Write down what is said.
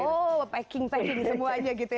oh packing packing semuanya gitu ya